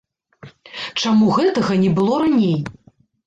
Чаму гэтага не было раней?